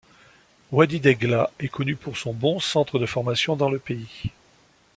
Wadi Degla est connu pour son bon centre de formation dans le pays.